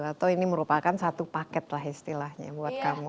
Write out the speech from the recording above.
atau ini merupakan satu paket lah istilahnya buat kamu